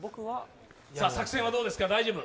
作戦はどうですか、大丈夫？